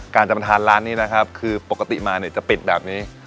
จะมาทานร้านนี้นะครับคือปกติมาเนี่ยจะปิดแบบนี้